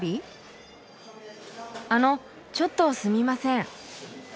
あのちょっとすみません。